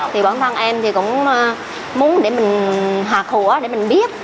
thì bản thân em thì cũng muốn để mình hạ khổ để mình biết